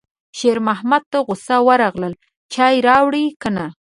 شېرمحمد ته غوسه ورغله: چای راوړې که نه